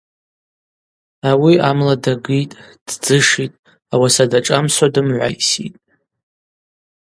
Ауи амла дагитӏ, ддзышитӏ, ауаса дашӏамсуа дымгӏвайситӏ.